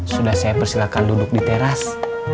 sudah saya persilahkan duduk di teras